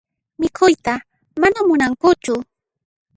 Mikhuyta mana munankuchu.